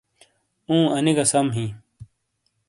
اوں، انی گہ سم ہیں۔